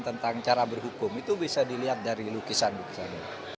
tentang cara berhukum itu bisa dilihat dari lukisan lukisan